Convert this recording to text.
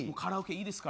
いいですね。